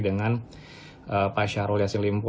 dengan pak syahrul yassin limpo